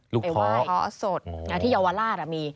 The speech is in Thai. ลูกท้อไปไหว้ที่เยาวราชมี